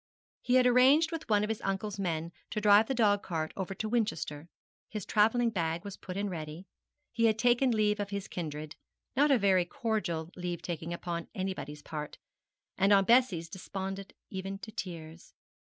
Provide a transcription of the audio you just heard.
He had arranged with one of his uncle's men to drive the dog cart over to Winchester; his travelling bag was put in ready; he had taken leave of his kindred not a very cordial leave taking upon anybody's part, and on Bessie's despondent even to tears.